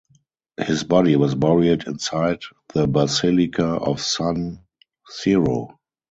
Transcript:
His body was buried inside the Basilica of San Siro.